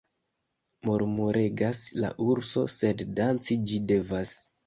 Murmuregas la urso, sed danci ĝi devas.